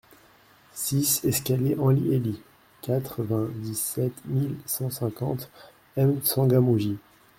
six eSC ANLI HELI, quatre-vingt-dix-sept mille six cent cinquante M'Tsangamouji